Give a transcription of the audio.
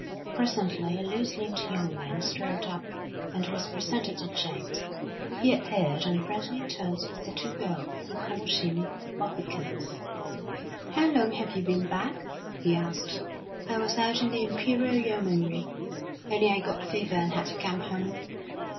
Presently a loose limbed young man strolled up, and was presented to James. He appeared on friendly terms with the two girls, who called him Bobbikins. "How long have you been back?" he asked. "I was out in the Imperial Yeomanry only I got fever and had to come home."